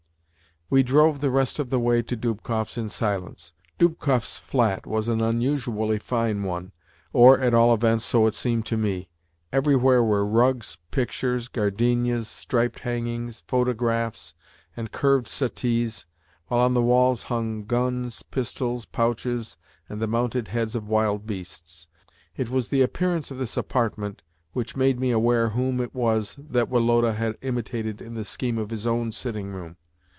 We drove the rest of the way to Dubkoff's in silence. Dubkoff's flat was an unusually fine one or, at all events, so it seemed to me. Everywhere were rugs, pictures, gardenias, striped hangings, photographs, and curved settees, while on the walls hung guns, pistols, pouches, and the mounted heads of wild beasts. It was the appearance of this apartment which made me aware whom, it was that Woloda had imitated in the scheme of his own sitting room.